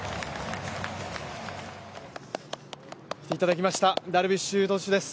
来ていただきましたダルビッシュ投手です。